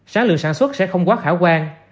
sản lượng sản xuất sẽ không quá khả quan